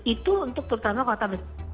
itu untuk pertama kota